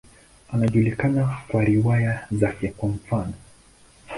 Anajulikana hasa kwa riwaya zake, kwa mfano.